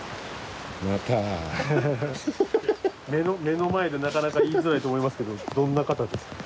目の前でなかなか言いづらいと思いますけどどんな方ですか？